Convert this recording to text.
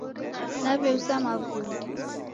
Naweuza mavunde.